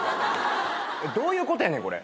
どういうことやねんこれ。